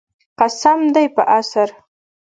قسم دی په عصر.